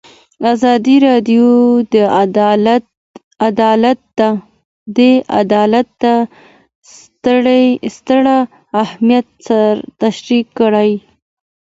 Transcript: ازادي راډیو د عدالت ستر اهميت تشریح کړی.